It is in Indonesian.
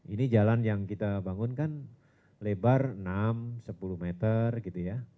ini jalan yang kita bangun kan lebar enam sepuluh meter gitu ya